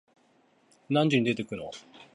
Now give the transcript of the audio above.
何時に出てくの？